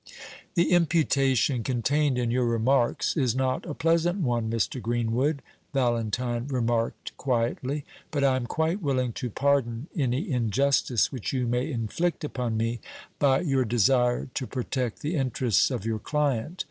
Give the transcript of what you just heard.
"The imputation contained in your remarks is not a pleasant one, Mr. Greenwood," Valentine remarked quietly; "but I am quite willing to pardon any injustice which you may inflict upon me by your desire to protect the interests of your client.